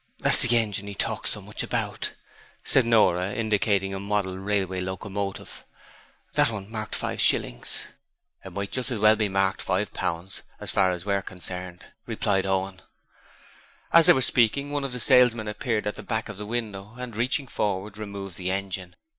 'That's the engine he talks so much about,' said Non, indicating a model railway locomotive; that one marked five shillings.' 'It might just as well be marked five pounds as far as we're concerned,' replied Owen. As they were speaking, one of the salesmen appeared at the back of the window and, reaching forward, removed the engine.